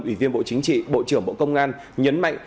ủy viên bộ chính trị bộ trưởng bộ công an nhấn mạnh